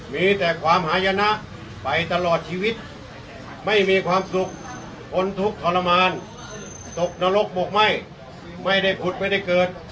มีแต่ความหายนะไปตลอดชีวิตไม่มีความสุขทนทุกข์ทรมานตกนรกบกไหม้ไม่ได้ผุดไม่ได้เกิด